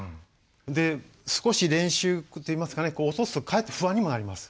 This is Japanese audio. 少し練習といいますかね落とすとかえって不安にもなります。